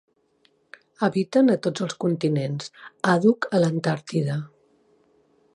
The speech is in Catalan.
Habiten a tots els continents, àdhuc a l'Antàrtida.